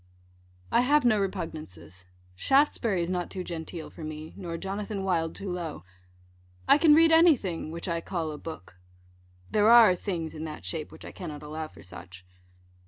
I have no repugnances. Shaftesbury is not too genteel for me, nor Jonathan Wild too low. I can read any thing which I call a book. There are things in that shape which I cannot allow for such.